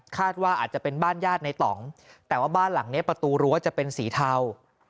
ว่าอาจจะเป็นบ้านญาติในต่องแต่ว่าบ้านหลังนี้ประตูรั้วจะเป็นสีเทา